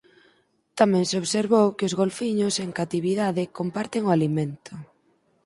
Tamén se observou que os golfiños en catividade comparten o alimento.